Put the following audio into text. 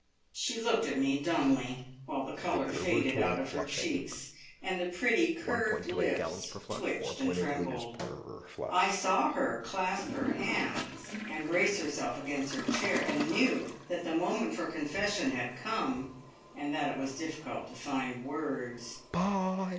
She looked at me dumbly, while the colour faded out of her cheeks, and the pretty curved lips twitched and trembled. I saw her clasp her hands, and brace herself against her chair, and knew that the moment for confession had come, and that it was difficult to find words.